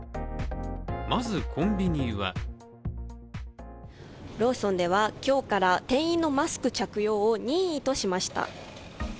まずコンビニはローソンでは今日から店員のマスク着用を任意としました。